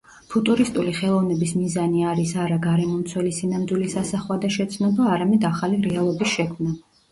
ფუტურისტული ხელოვნების მიზანი არის არა გარემომცველი სინამდვილის ასახვა და შეცნობა, არამედ ახალი რეალობის შექმნა.